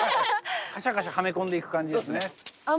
カシャカシャはめ込んでいく感じですね。